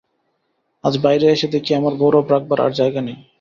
আজ বাইরে এসে দেখি, আমার গৌরব রাখবার আর জায়গা নেই।